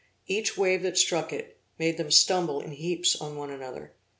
Each wave that struck it, made them stumble in heaps on one another.